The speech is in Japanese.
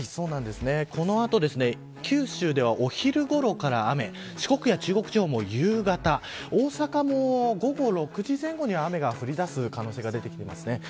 このあと九州では、お昼ごろから雨四国や中国地方も夕方大阪も午後６時前後には雨が降りだす可能性が出てきています。